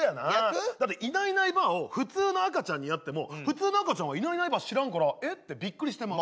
だっていないいないばあを普通の赤ちゃんにやっても普通の赤ちゃんはいないいないばあ知らんからえ？ってびっくりしてまう。